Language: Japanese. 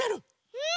うん！